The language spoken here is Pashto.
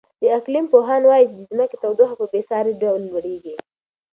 د اقلیم پوهان وایي چې د ځمکې تودوخه په بې ساري ډول لوړېږي.